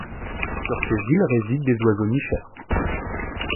Sur ces îles résident des oiseaux nicheurs.